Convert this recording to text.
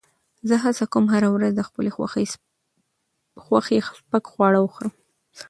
زه هڅه کوم هره ورځ د خپل خوښې سپک خواړه وخورم.